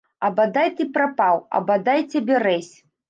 А бадай ты прапаў, а бадай цябе рэзь!